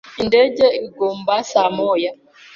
Indege igomba saa moya.